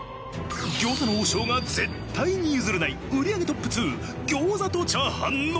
餃子の王将が絶対に譲れない売り上げトップ２餃子と炒飯のみ。